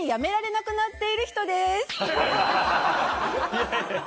いやいや。